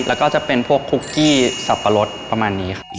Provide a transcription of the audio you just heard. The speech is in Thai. แล้วก็จะเป็นพวกคุกกี้สับปะรดประมาณนี้ครับ